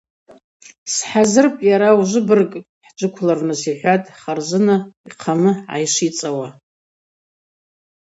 Схӏазырпӏ йара ужвыбырг хӏджвыквлырныс,–йхӏватӏ Харзына, йхъамы гӏайшвицӏауа.